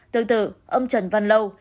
tương tự ông trần văn lâu